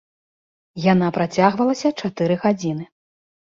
Яна працягвалася чатыры гадзіны.